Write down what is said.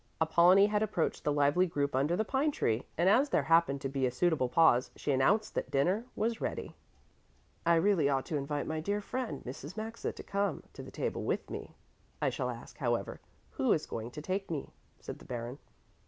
Apollonie had approached the lively group under the pine tree, and as there happened to be a suitable pause, she announced that dinner was ready. "I really ought to invite my dear friend, Mrs. Maxa, to come to the table with me; I shall ask, however, who is going to take me?" said the Baron.